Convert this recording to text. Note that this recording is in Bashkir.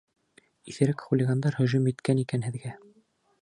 Иҫерек хулигандар һөжүм иткән икән һеҙгә.